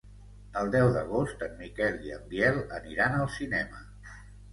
El deu d'agost en Miquel i en Biel aniran al cinema.